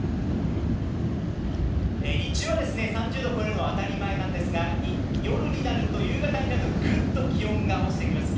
日中は３０度を超えるのは当たり前なんですが夕方になるとぐっと気温が落ちてきます。